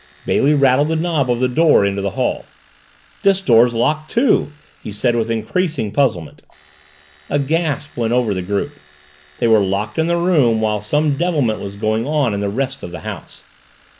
Bailey rattled the knob of the door into the hall. "This door's locked, too!" he said with increasing puzzlement. A gasp went over the group. They were locked in the room while some devilment was going on in the rest of the house.